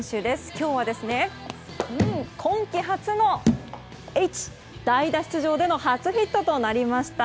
今日は、今季初のＨ代打出場での初ヒットとなりました。